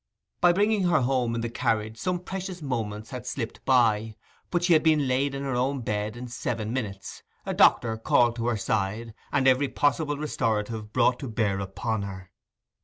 By bringing her home in the carriage some precious moments had slipped by; but she had been laid in her own bed in seven minutes, a doctor called to her side, and every possible restorative brought to bear upon her.